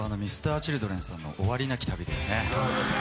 僕はＭｒ．Ｃｈｉｌｄｒｅｎさんの「終わりなき旅」ですね。